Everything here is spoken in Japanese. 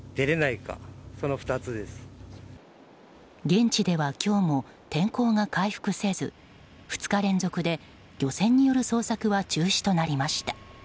現地では今日も天候が回復せず２日連続で漁船による捜索は中止となりました。